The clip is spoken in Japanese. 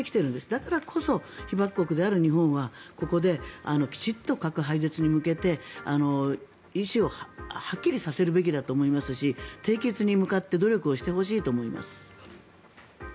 だからこそ、被爆国である日本はここできちんと、核廃絶に向けて意思をはっきりさせるべきだと思いますし締結に向かって努力してほしいと思います。